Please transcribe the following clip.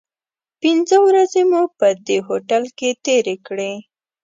پنځه ورځې مو په دې هوټل کې تیرې کړې.